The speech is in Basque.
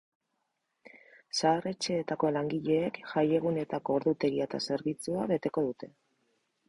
Zahar-etxeetako langileek jaiegunetako ordutegia eta zerbitzua beteko dute.